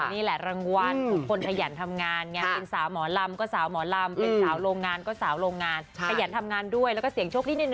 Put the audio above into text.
นี้แหละรางวัลทุกคนขยันทำงานเนี้ย